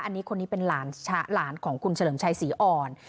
อันนี้คนนี้เป็นหลานของคุณเฉลิมชัยศรีอ่อน